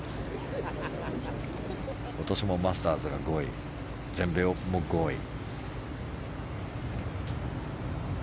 今年もマスターズが５位全米オープンも５位。